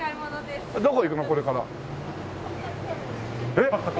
えっ？